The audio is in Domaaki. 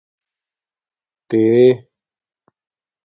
تے